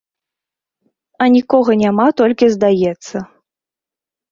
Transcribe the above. А нікога няма, толькі здаецца.